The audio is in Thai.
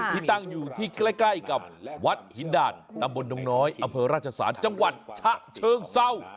ที่ตั้งอยู่ที่ใกล้กับวัดหินด่านตำบลดงน้อยอำเภอราชศาลจังหวัดชะเชิงเศร้า